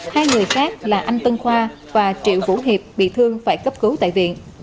hai người khác là anh tân khoa và triệu vũ hiệp bị thương phải cấp cứu tại viện